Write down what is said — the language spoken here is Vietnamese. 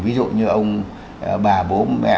ví dụ như ông bà bố mẹ